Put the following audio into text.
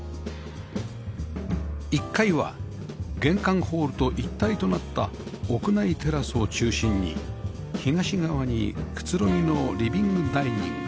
１階は玄関ホールと一体となった屋内テラスを中心に東側にくつろぎのリビングダイニング